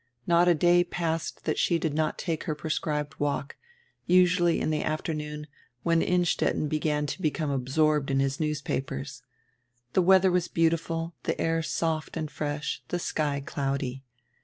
Not a day passed diat she did not take her prescrihed walk, usually in die after noon, when Innstetten began to become absorbed in his newspapers. The weadier was beautiful, die air soft and fresh, die sky cloudy.